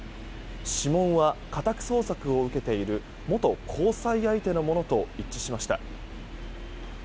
指紋は家宅捜索を受けている元交際相手のものと一致しました。